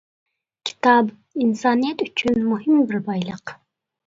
كىتاب ئىنسانىيەت ئۈچۈن مۇھىم بىر بايلىق.